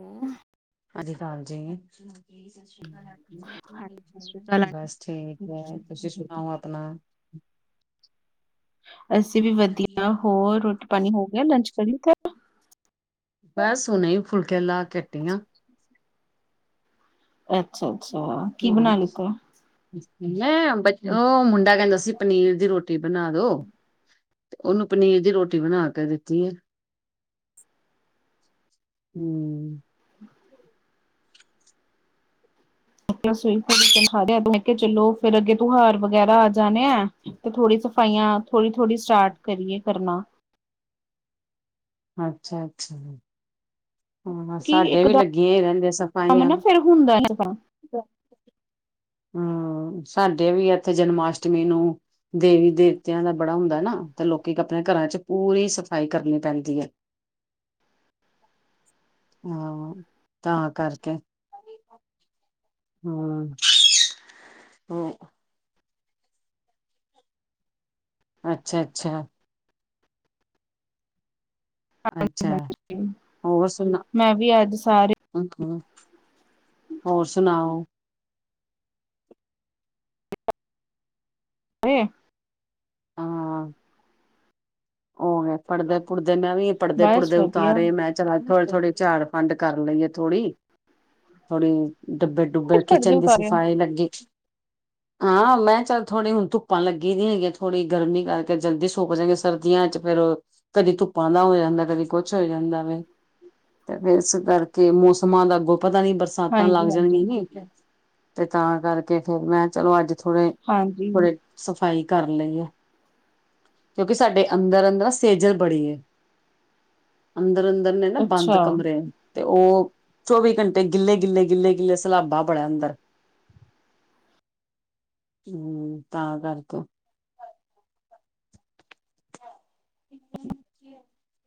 ਹੁੰ। [unintelligible] ਠੀਕ ਹਾਂਜੀ ਸਤਿ ਸ਼੍ਰੀ ਅਕਾਲ ਐ, ਤੁਸੀਂ ਸੁਣਾਉ ਅਪਣਾ? ਅਸੀਂ ਵੀ ਵਧੀਆ, ਹੋਰ ਰੋਟੀ -ਪਾਣੀ ਹੋ ਗਿਆ? ਲੰਚ ਕਰ ਲੀਤਾ ਐ? ਬਸ, ਹੁਣੇ ਈ ਫੁਲਕੇ ਲਾ ਕੇ ਹਟੀ ਹਾਂ। ਅੱਛਾ- ਅੱਛਾ, ਕੀ ਬਣਾ ਲੀਤਾ? ਮੈਂ, ਉਹ ਮੁੰਡਾ ਕਹਿੰਦਾ ਸੀ, ਪਨੀਰ ਦੀ ਰੋਟੀ ਬਣਾ ਦੋ। ਉਹਨੂੰ, ਪਨੀਰ ਦੀ ਰੋਟੀ ਬਣਾ ਕੇ ਦਿੱਤੀ ਹੈ। ਹਮ ਹਮ [unintelligible] ਕੇ ਚਲੋ ਫਿਰ ਅੱਗੇ ਤਿਉਹਾਰ ਵਗੈਰਾ ਆ ਜਾਣੇ ਆ। ਤੇ ਥੋੜੀ ਸਫਾਈਆਂ ਥੋੜੀ -ਥੋੜੀ ਸਟਾਰਟ ਕਰੀਏ ਕਰਨਾ। ਅੱਛਾ -ਅੱਛਾ, ਹਾਂ ਕਿ ਸਾਡੇ ਵੀ ਇੱਕਦਮ ਲੱਗੀਆਂ ਈ ਰਹਿੰਦੇ ਸਫਾਈਆਂ। ਨਾ ਫੇਰ ਹੁੰਦਾ, ਹੈਗਾ। ਹਾਂ, ਸਾਡੇ ਵੀ ਇਥੇ ਜਨਮਾਸ਼ਟਮੀ ਨੂੰ ਦੇਵੀ, ਦੇਵਤਿਆਂ ਦਾ ਬੜਾ ਹੁੰਦਾ ਨਾ, ਤਾਂ ਲੋਕੀ ਆਪਣੇ ਘਰਾਂ ਚ ਪੂਰੀ ਸਫਾਈ ਕਰਨੀ ਪੈਂਦੀ ਹੈ। [unintelligible] ਹਾਂ, ਤਾਂ ਕਰਕੇ ਹਾਂ, ਹੋ ਅੱਛਾ-ਅੱਛਾ, ਅੱਛਾ, ਹੋਰ ਸੁਣਾ ਮੈਂ ਵੀ ਅੱਜ ਸਾਰੇ ਮਮ, ਹੋਰ ਸੁਣਾਓ? [unintelligible] ਹੋਰ, ਪੜਦੇ -ਪੁੜਦੇ, ਮੈਂ ਵੀ ਬਸ ਪੜਦੇ-ਪੜਦੇ ਵਧੀਆ ਉਤਾਰੇ ਮੈਂ ਚਲੋ ਥੋੜੇ-ਥੋੜੇ ਚਾਰ ਫੰਡ ਕਰ ਲਈਏ ਥੋੜੀ-ਥੋੜੀ, ਡੱਬੇ-ਡੁਬੇ ਅੱਜ ਕਰਕੇ ਪਰਦੇ ਚੰਗੇ ਉਤਾਰਿਆ ਸਫਾਏ ਲੱਗੇ, [unintelligible] ਹਾਂ ਮੈਂ ਚਲ ਥੋੜਾ ਧੁੱਪਾਂ ਲੱਗੀ ਦੀਆਂ, ਥੋੜੀ ਗਰਮੀ ਕਰਕੇ ਜਲਦੀ ਸੁਕ ਜਾਗੇ ਸਰ ਜੀਆਂ ਚ ਫਿਰ ਕਦੀ ਧੁੱਪਾਂ ਦਾ ਹੋ ਜਾਂਦਾ, ਕਦੀ ਕੁਝ ਹੋ ਜਾਂਦਾ ਨੇ ਇਸ ਕਰਕੇ ਮੌਸਮਾਂ ਦਾ ਅੱਗੋਂ ਪਤਾ ਨਹੀਂ, ਦਾਤਾਂ ਹਾਂਜੀ ਲੱਗ ਹਾਂਜੀ ਜਾਣਗੀ, ਤੇ ਤਾਂ ਕਰਕੇ ਫਿਰ ਮੈਂ ਚਲੋ ਅੱਜ ਥੋੜੇ ਹਾਂਜੀ। ਸਫਾਈ ਕਰ ਲਈ ਐ, ਕਿਉਂਕਿ ਸਾਡੇ ਅੰਦਰ-ਅੰਦਰ ਸੇਜਰ ਬੜੀ ਅੰਦਰ ਅੰਦਰ ਨੇ, ਨਾ ਬੰਦ ਅੱਛਾ ਕਮਰੇ ਤੇ ਉਹ ਘੰਟੇ ਗਿੱਲੇ-ਗਿੱਲੇ-ਗਿੱਲੇ-ਗਿੱਲੇ, ਸਲਾਭਾ ਬਣਿਆ ਅੰਦਰ [unintelligible] ਹੂੰ ਤਾਂ ਕਰਕੇ, [unintelligible]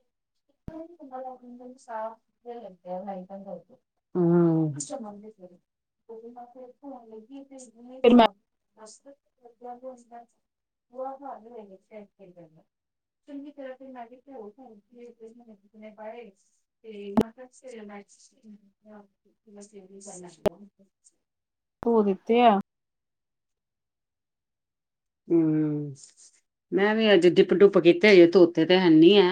[unintelligible] ਫਿਰ ਮੈਂ ਹੂੰ, [unintelligible] [unintelligible] ਬਾਰੇ [unintelligible] ਧੋ ਦਿੱਤੇ ਆ। ਮੈਂ ਵੀ ਅੱਜ ਡਿੱਪ-ਡੁਪ ਕੀਤੇ ਧੋਤੇ ਤੇ ਹੈਨੀ ਐ।